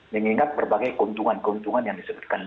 mengingat berbagai keuntungan keuntungan yang disebutkan